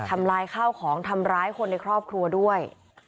ทำร้ายข้าวของทำร้ายคนในครอบครัวด้วย